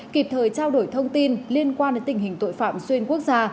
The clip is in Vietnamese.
kịp thời trao đổi thông tin liên quan đến tình hình tội phạm xuyên quốc gia